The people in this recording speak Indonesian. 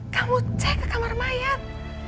kamu cek ke kamar mayat